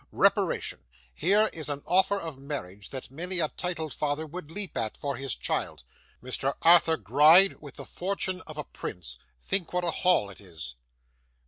Reparation! Here is an offer of marriage, that many a titled father would leap at, for his child. Mr Arthur Gride, with the fortune of a prince. Think what a haul it is!